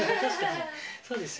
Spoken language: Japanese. そうですよね。